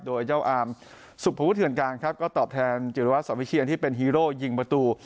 โดยเจ้าอามสุพพะพุทธเหนืองกลางครับก็ตอบแทนจุฤวัศน์สวิชีียันที่เป็นฮีโร่ยิงประตู